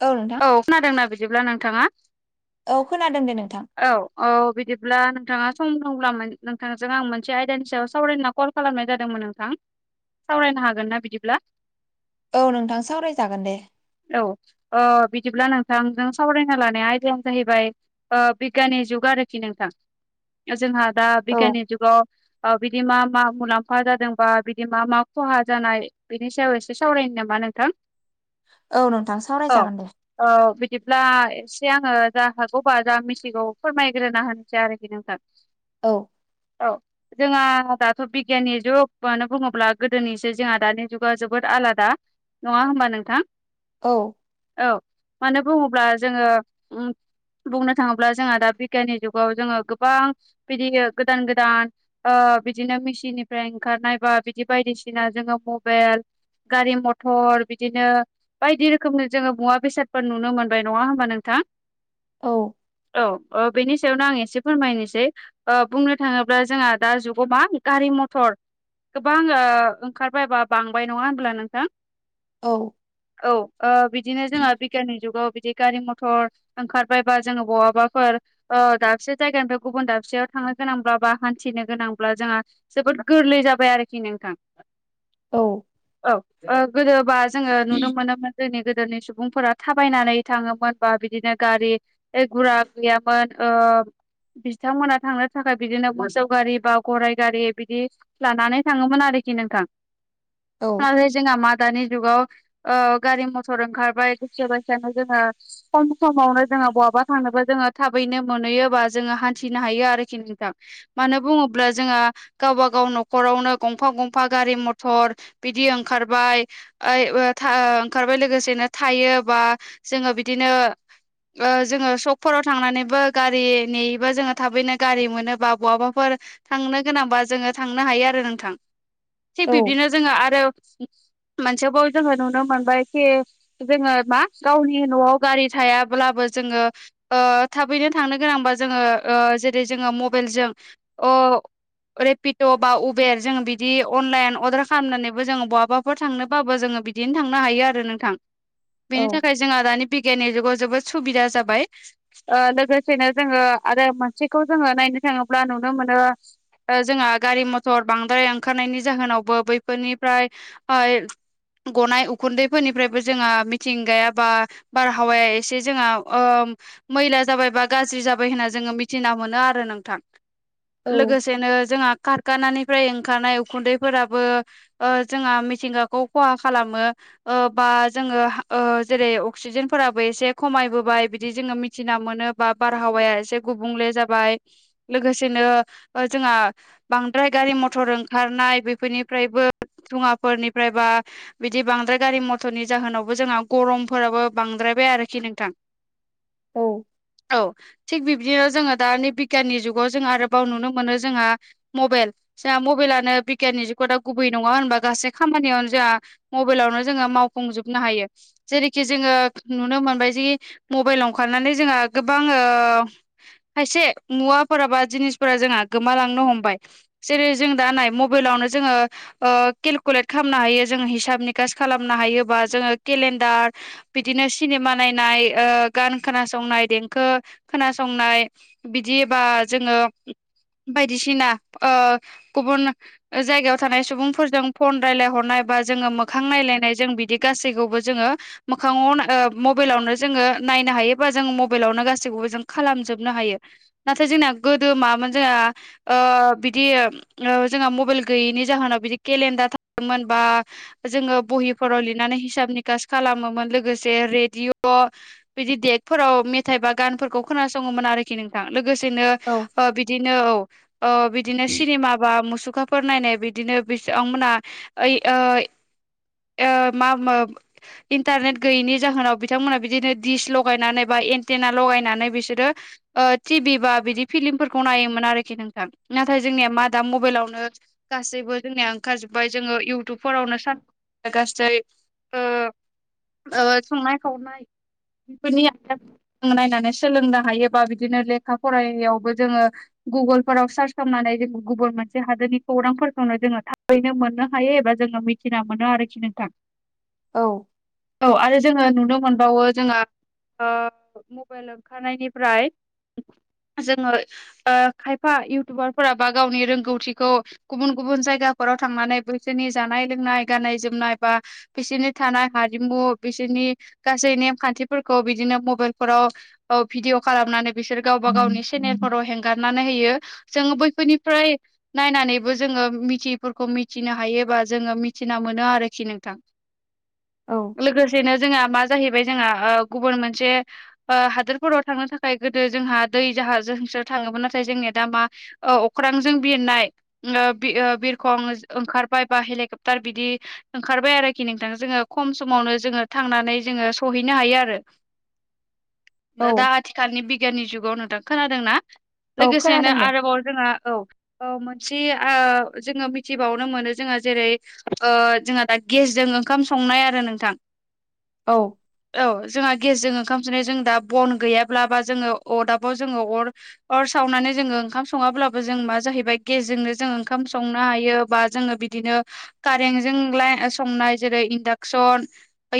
औ औ खोनादोंना बिदिब्ला नोंथाङा औ खोनादों दे नोंथां औ औ बिदिब्ला नोंथाङा सम दंब्ला नोंथांजों आं मोनसे आयदानि सायाव सावरायना कल खालामनाय जादोंमोन नोंथां सावरायनो हागोन ना बिदिब्ला औ नोंथां सावारायजागोन दे औ बिदिब्ला नोंथांजों सावरायना लानाय आयदायानो जाहैबाय बिगियाननि जुग आरोखि नोंथां जोंहा दा औ बिगियाननि जुगाव बिदि मा मा मुलाम्फा खखाहा जादोंबा बिदि मा मा खहा जानाय बेनि सायाव एसे सावरायनो नामा नोंथां औ नोंथां सोआव औ नायजागोन दे औ बिदिब्ला एसे आङो जा हागौबा जा मिथिगौ फोरमायग्रोना होनोसै आरोखि नोंथां [inaudible] औ औ जोंहा दाथ' बिगियाननि जुग मानो बुङोब्ला गोदोनिसो जोंहा दानि जुगा जोबोद आलादा नङा होमबा नोंथां औ औ मानो बुङोब्ला जोङो बुंनो थाङोब्ला जोंहा दा बिगियाननि जुगाव जोङो गोबां बिदि गोदान गोदान ओ बिदिनो मेसिननिफ्राय ओंखारनायबा बिदि बायदिसिना जोङो मबाइल गारि मथर बिदिनो बायदि रोखोमनि जोङो मुवा बेसादफोर नुनो मोनबाय नङा होमबा नोंथां औ औ औ बेनि सायावनो आं एसे फोरमायनोसै ओ बुंनो थाङोब्ला जोंहा दा जुगाव मा गारि मथर गोबां ओ ओंखारबाय बा बांबाय नङा होनब्ला नोंथां औ औ बिदिनो जोंहा बिगियाननि जुगाव बिदि गारि मथर ओंखारबाय बा जोङो बहाबाफोर ओ दाबसे जायगानिफ्राय गुबुन दाबसेयाव थांनो गोनांब्ला बा हान्थिनो गोनांब्ला जोंहा जोबोद गोरलै जाबाय आरोखि नोंथां औ औ ओ गोदोबा जोङो नुनो मोनोमोन जोंनि गोदोनि सुबुंफोरा थाबायनानै थाङोमोन बा बिदिनो गारि गुरा गैयामोन ओ बिथांमोना थांनो थाखाय बिदिनो मोसौ गारि बा गराय गारि बिदि लानानै थाङोमोन आरोखि नोंथां औ नाथाय जोंहा मा दानि जुगाव ओ गारि मथर ओंखारबाय दसे दसेनो जोङो खम समावनो जोङो बहाबा थांनोबा जोङो थाबैनो मोनहैयो बा जोङो हान्थिनो हायो आरोखि नोंथां मानो बुङोब्ला जोंहा गावबा गाव न'खरावनो गंफा गंफा गारि मथर बिदि ओंखारबाय ओय बो था ओंखारबाय लोगोसेनो थायो बा जोङो बिदिनो ओ जोङो सकफोराव थांनानैबो गारि नेयोैबा जोङो थाबैनो गारि मोनोबा बहाबाफोर थांनो गोनांबा जोङो थांनो हायो आरो नोंथां थिग औ बिब्दिनो जोङो आरो मोनसेबाव जोङो नुनो मोनबायखि जोङो मा गावनि न'आव गारि थायाब्लाबो जोङो ओ थाबैनो थांनो गोनांबा जोङो ओ जेरै जोङो मबाइलजों अ रेपिद बा उबेर जोङो बिदि अनलाइन अर्डार खालामनानैबो जोङो बहाबाफोर थांनोबाबो जोङो बिदिनो थांनो हायो आरो नोंथां बेनि थाखाय जोंहा दानि बिगियाननि जुगाव जोबोद सुबिदा जाबाय ओ लोगोसेनो जोङो आरो मोनसेखौ जोङो नायनो थाङोब्ला नुनो मोनो ओ जोंहा गारि मथर बांद्राय ओंखारनायनि जाहोनावबो बैफोरनिफ्राय गनाय उखुन्दैफोरनिफ्रायबो जोंहा मिथिंगाया बा बारहावाया एसे जोंहा ओ मैला जाबाय बा गाज्रि जाबाय होनना जोङो मिथिना मोनो आरो नोंथां औ लोगोसेनो जोंहा कार खानानिफ्राय ओंखारनाय उखुन्दैफोराबो जोंहा मिथिंगाखौ खहा खालामो ओ बा जोङो ओ जेरै अक्सिजेनफोराबो एसे खमायबोबाय बिदि जोङो मिथिना मोनो बा बारहावाया एसे गुबुंले जाबाय लोगोसेनो जोंहा बांद्राय गारि मथर ओंखारनाय बेफोरनिफ्रायबो धुङाफोरनिफ्राय बा बिदि बांद्राय गारि मथरनि जाहोनावबो जोंहा गरमफोराबो बांद्रायबाय आरोखि नोंथां औ थिग बिब्दिनो जोङो दानि बिगियाननि जुगाव जों आरोबाव नुनो मोनो जोंहा मबाइल जोंहा मबाइलानो बिगियाननि जुग दा गुबै नङा होनबा गासै खामानियावनो जा मबाइलावनो जोङो मावफुंजोबनो हायो जेरैखि जोङो नुनो मोनबाय जि मबाइल ओंखारनानै जोंहा गोबां ओ खायसे मुवाफोरा बा जिनिसफोरा जोंहा गोमालांनो हमबाय जेरै जों दा नाय मबाइलावनो जोङो ओ केलकुलेट खालामनो हायो जोङो हिसाब निकास खालामनो हायोबा जोङो केलेन्डार बिदिनो सिनेमा नायनाय गान खोनासंनाय देंखो खोनासंनाय बिदिबा जोङो बायदिसिना गुबुन जायगायाव थानाय सुबुंफोरजों फन रायज्लायहरनाय बा जोङो मोखां नायलायनाय जों बिदि गासैखौबो जोङो मोखाङाव मबाइलावनो जोङो नायनो हायो बा जों मबाइलावनो गाैखौबो जों खालामजोबनो हायो नाथाय जोंना गोदो मामोन जोंहा बिदि जोंहा मबाइल गैयैनि जाहोनाव बिदि केलेन्डार थादोंमोन बा जोङो बहिफोराव लिरनानै हिसाब निकास खालामोमोन लोगोसे रेडिअ' बिदि दडेगफोराव मेथाइ बा गानफोरखौ खोनासङोमोन आरोखि नोंथां लोगोसेनो बिदिनो औ बिदिनो सिनेमा बा मुसुखा फोर नायनाय बिदिनो बेसेबांमोनहा मा इन्टारनेट गैयैनि जाहोनाव बिथांमोना बिदिनो दिस लगायनानै बा एन्टेना लगायनानै बिसोरो टिभि बा बिदि फिलिमफोरखौ नायोमोन आरोखि नोंथां नाथाय जोंनिया मा दा मबाइलावनो गासैबो जोंनिया ओंखारजोब्बाय जोङो इउटुब हरावनो सान गासै संनाय खावनाय बेफोरनि आख नायनानै सोलोंनो हायोबा बिदिनो लेखा फराययावबो जोङो गुगोलफोराव सार्च खालामनानै जों गुबुन मोनसे हादोरनि खौरांफोरखौनो जोङो थाबैनो मोननो हायो एबा जोङो मिथिना मोनो आरोखि नोंथां औ औ आरो जोङो नुनो मोनबावो जोंहा मबाइल ओंखारनायनिफ्राय जोङो खायफा इउटुबारफोरा बा गावनि रोंगौथिखौ गुबुन गुबुन जायगाफोराव थांनानै बैसोरनि जानाय लोंनाय गाननाय जोमनाय बा बिसोरनि थानाय हारिमु बिसोरनि गासै नेमखान्थिफोरखौ बिदिनो मबाइलफोराव औ भिदिअ खालामनानै बिसोर गावबा गावनि सेनेलफोराव हगारनानै होयो जोङो बैफोरनिफ्राय नायनानैबो जोङो मिथियैफोरखौ मिथिनो हायो बा जोङो मिथिना मोनो आरोखि नोंथां औ लोगोसेनो जोंहा मा जाहैबाय जोंहा गुबुन मोनसे हादोरफोराव थांनो थाखाय गोदो जोंहा दै जाहाज जोंसो थाङोमोन नाथाय जोंनिया दा मा अख्रांजों बिरनाय बिरखं ओंखारबाय बा हेलिकप्टार बिदि ओंखारबाय आरोखि नोंथां जोङो खम समावनो जोङो थांनानै जोङो सहैनो हायो आरो दा औ आथिखालनि बिगियाननि जुगाव नोंथां खोनादों ना औ लोगोसेनो खोनादों दे आरोबाव जोंहा औ मोनसे जोङो मिथिबावनो मोनो जोंहा जेरै जोंहा दा गेसजों ओंखाम संनाय आरो नोंथां औ औ जोंहा गेसजों ओंखाम सनाय जों दा बन गैयाब्ला बा जोङो अरदाबाव जोङो अर अर सावनानै जोङो ओंखाम सङाब्लाबो जों मा जाहैबाय गेसजोंनो जों ओंखाम संनो हायो बा जोङो बि बिदिनो कारेन्टजोंलाय संनाय जेरै इन्डाकसन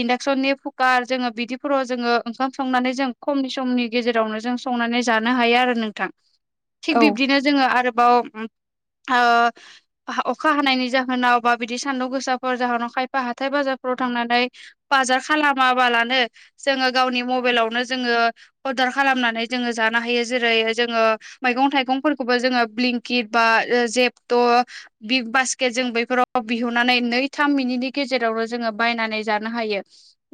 इन्डाक्सननि कुकार जोङो बिदिफोराव जोङो ओंखाम संनानै जों खमनि समनि गेजेरावनो जों संनानै जानो हायो आरो नोंथां थिग औ बिब्दिनो जोङो आरोबाव अखा हानायनि जाहोनाव होनाव बा बिदि सान्दुं गोसाफोर जाहोनाव खायफा हाथाय बाजारफोराव थांनानै बाजार खालामाबालानो जोङो गावनि मबाइलावनो जोङो अर्दार खालामनानै जोङो जानो हायो जेरै जोङो मैगं थाइगंफोरखौबो जोङो ब्लिंकिट बा जेपट' बिग बास्केट जों बै फोराव बिहुननानै नै थाम मिनिटनि गेजेरावनो जोङो बायनानै जानो हायो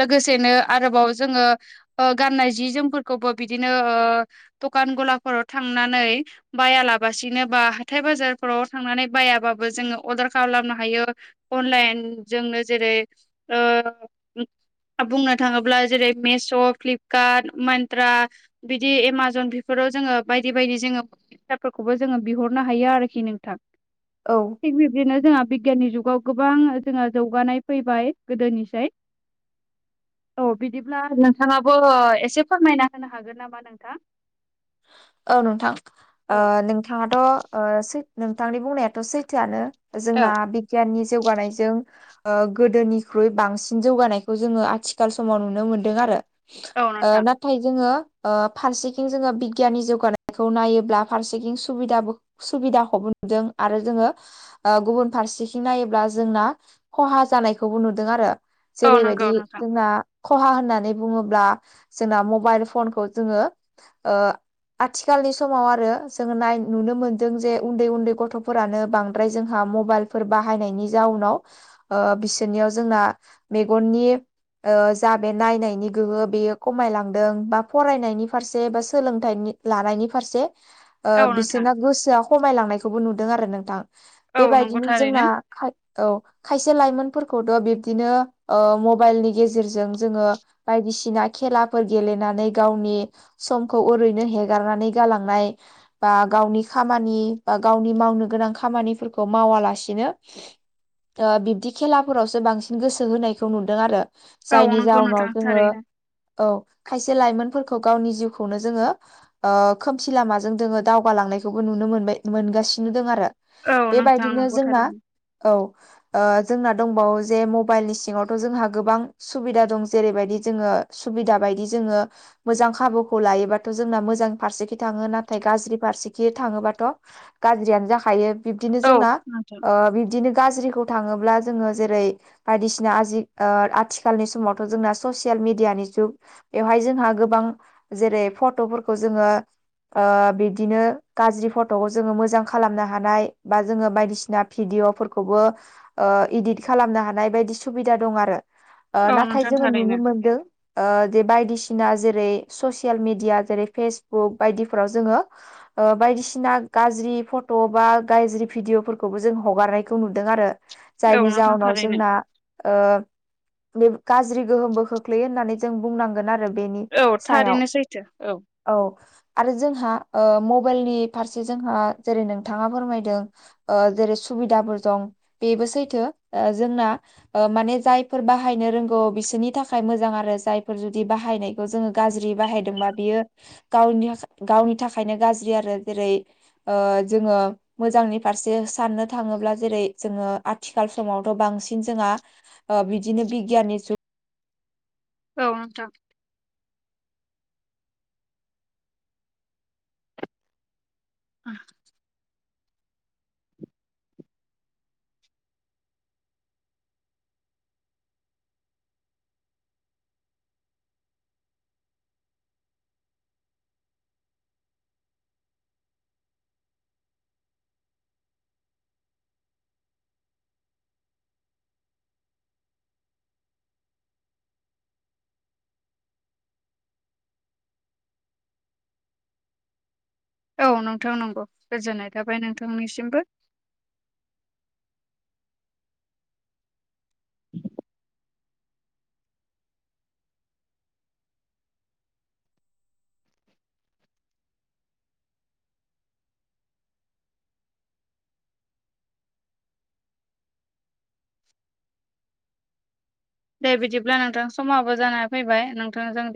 लोगोसेनो आरोबाव जोङो गाननाय जि जोमफोरखौबो बिदिनो दखान गलाफोराव थांनानै बायालाबासिनो बा हाथाय बाजारफोराव थांनानै बायाबाबो जोङो अरदार खालामनो हायो अनलाइन जोंनो जेरै बुंनो थाङोब्ला जेरै मिश' फ्लिपकार्ट मिन्त्रा बिदि एमाजन बेफोराव जोङो बायदि बायदि जोङो फसारफोरखौबो जोङो बिहरनो हायो आरोखि नोंथां औ थिग बिब्दिनो जोंहा बिगियाननि जुगाव गोबां जोंहा जौगानाय फैबाय गोदोनिसाय औ बिदिब्ला नोंथाङाबो एसे फोरमायना होनो हागोन नामा नोंथां औ नोंथां औ नोंथाङाथ' सै नोंथांनि बुंनायाथ' सैथोआनो जोंना बिगियाननि जौगानायजों गोदोनिख्रुइ बांसिन जौगानायखौ जोङो आथिखाल समाव नुनो मोनदों आरो औ नोंथां नाथाय जोङो फारसेथिं जोङो बिगियाननि जौगानायखौ नायोब्ला फारसेथिं सुबिदाबो सुबिदा हबो नुदों आरो जोङो गुबुन फारसेथिं नायोब्ला जोंना खहा जानायखौबो नुदों आरो औ जेरैबायदि नंगौ नोंथां जोंना खहा होननानै बुङोब्ला जोंना मबाइल फनखौ जोङो आथिखालनि समाव आरो जोङो नाय नुनो मोनदों जे उन्दै उन्दै गथ'फोरानो बांद्राय जोंहा मबाइल फोर बाहायनायनि जाउनाव बिसोरनियाव जोंना मेगननि जा बे नायनायनि गोहो बेयो खमायलांदों बा फरायनायनि फारसे बा सोलों लानायनि फारसे औ नोंथां बिसोरना गोसोआ खमायलांनायखौबो नुदों आरो नोंथां औ नंगौ बेबायदिनो जोंना थारैनो खा औ खायसे लाइमोनफोरखौथ' बिब्दिनो मबाइलनि गेजेरजों जोङो बायदिसिना खेलाफोर गेलेनानै गावनि समखौ ओरैनो बिदिनो हेगारनानै गालांनाय बा गावनि खामानि बा गावनि मावनो गोनां खामानिफोरखौ मावालासिनो बिब्दि खेलाफोरावसो बांसिन गोसो होनायखौ नुदों आरो औ जायनि नंगौ नोंथां जाउनाव जोङो थारैनो औ खायसे लाइमोनफोरखौ गावनि जिउखौनो जोङो खोमसि लामाजों दोङो दावगालांनायखौबो नुनो मोनबाय मोनगासिनो दं आरो औ नोंथां बेबायदिनो नंगौ जोंना थारैनो औ जोंना दंबावो जे मबाइलनि सिङावथ' जोंहा गोबां सुबिदा दं जेरैबायदि जोङो सुबिदा बायदि जोङो मोजां खाबुखौ लायोबा थ' जोंना मोजां फारसेथिं थाङो नाथाय गाज्रि फारसेथिं थाङोबाथ' गाज्रियानो जाखायो बिब्दिनो औ जोंना नोंथां बिब्दिनो गाज्रिखौ थाङोब्ला जोङो जेरै बायदिसिना आजि आथिखालनि समावथ' जोंना ससियेल मिडियानि जुग बेवहाय जोंहा गोबां जेरै फट'फोरखौ जोङो बिदिनो गाज्रि फट'खौ जोङो मोजां खालामनो हानाय बा जोङो बायदिसिना भिदिअफोरखौबो इदित खालामनो हानाय बायदि सुबिदा दं आरो औ नाथाय नोंथां जोङो नुनो थारैनो मोनदों जे बायदिसिना जेरै ससियेल मिडिया जेरै फेसबुक बायदिफोराव जोङो बायदिसिना गाज्रि फट' बा गाज्रि भिदिअफोरखौबो जों हगारनायखौ नुदों आरो औ जायनि नोंथां जाहोनाव थारैनो जोंना बे गाज्रि गोहोमबो खोख्लैयो होननानै जों बुंनांगोन आरो बेनि औ सायाव थारैनो सैथो औ औ आरो जोंहा मबाइलनि फारसे जोंहा जेरै नोंथाङा फोरमायदों जेरै सुबिदाफोर दं बेबो सैथो जोंना माने जायफोर बाहायनो रोंगौ बिसोरनि थाखाय मोजां आरो जायफोर जुदि बाहायनाय जोङो गाज्रि बाहायदोंबा बियो गावनि गावनि थाखायनो गाज्रि आरो जेरै जोङो मोजांनि फारसे साननो थाङोब्ला जेरै जोङो आथिखाल समावथ' बांसिन जोंहा ओ बिदिनो बिगियाननि जुग औ नोंथां औ औ नोंथां नंगौ गोजोननाय थाबाय नोंथांनिसिमबो [inaudible] दे बिदिब्ला नोंथां समाबो जानानै फैबाय नोंथां जों